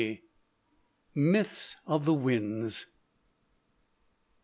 MYTHS OF THE WINDS.